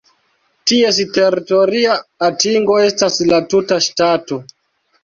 Ties teritoria atingo estas la tuta ŝtato.